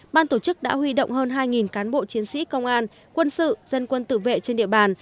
ban tổ chức đã huy động hơn hai cán bộ chiến sĩ công an quân sự dân quân tự vệ trên địa bàn